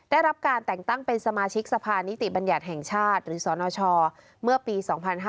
ได้รับการแต่งตั้งเป็นสมาชิกสภานิติบัญญัติแห่งชาติหรือสนชเมื่อปี๒๕๕๙